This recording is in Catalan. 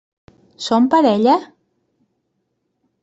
Són parella?